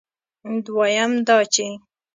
دویم دا چې